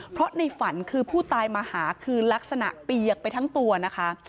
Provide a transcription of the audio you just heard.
เพราะในฝันคือผู้ตายมาหาคือลักษณะเปียกไปทั้งตัวนะคะ